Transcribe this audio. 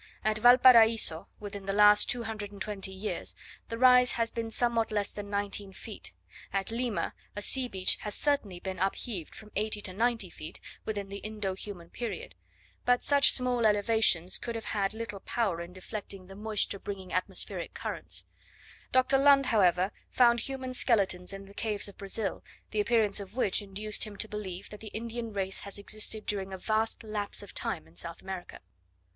At Valparaiso, within the last 220 years, the rise has been somewhat less than 19 feet: at Lima a sea beach has certainly been upheaved from 80 to 90 feet, within the Indo human period: but such small elevations could have had little power in deflecting the moisture bringing atmospheric currents. Dr. Lund, however, found human skeletons in the caves of Brazil, the appearance of which induced him to believe that the Indian race has existed during a vast lapse of time in South America.